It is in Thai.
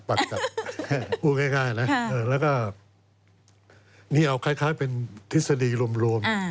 พูดง่ายนะแล้วก็นี่เอาคล้ายเป็นทฤษฎีรวม